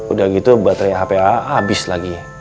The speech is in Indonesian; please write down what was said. udah gitu baterai hape a'a abis lagi